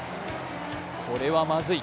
これはまずい。